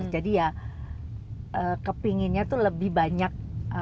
jadi ya kepinginnya tuh lebih banyak